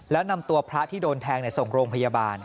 แล้วนำตัวพระที่โดนแทงส่งโรงพยาบาล